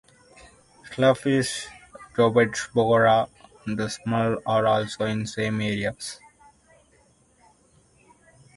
Salafis, Dawoodi Bohra and Ismai'li are also in some areas.